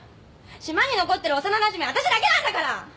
島に残ってる幼なじみはわたしだけなんだから。